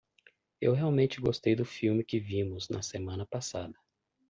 Eu realmente gostei do filme que vimos na semana passada.